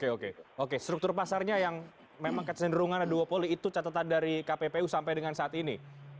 oke oke struktur pasarnya yang memang kecenderungan duopoli itu catatan dari kppu sampai dengan saat ini